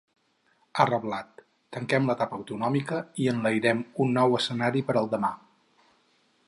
Ha reblat: Tanquem l’etapa autonòmica i enlairem un nou escenari per al demà.